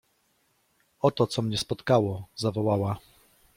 — Oto, co mnie spotkało! — zawołała.